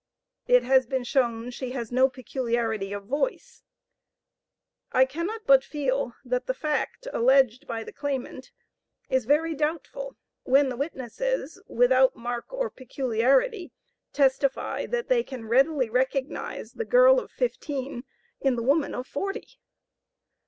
It has been shown she has no peculiarity of voice; I cannot but feel that the fact alleged by the claimant is very doubtful, when the witnesses, without mark or peculiarity, testify that they can readily recognize the girl of fifteen in the woman of forty.